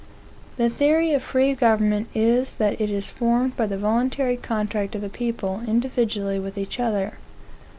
The theory of free government is that it is formed by the voluntary contract of the people individually with each other.